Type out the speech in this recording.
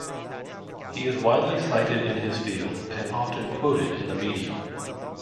He is widely cited in his field and often quoted in the media.